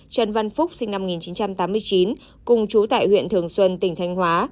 trần văn phúc sinh năm một nghìn chín trăm tám mươi chín cùng chú tại huyện thường xuân tỉnh thanh hóa